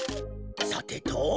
さてと。